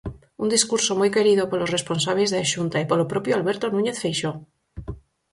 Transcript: Un discurso moi querido polos responsábeis da Xunta e polo propio Alberto Núñez Feixóo.